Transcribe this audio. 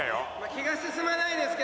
気が進まないですけどね